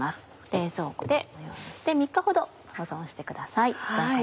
冷蔵庫でこのようにして３日ほど保存してください。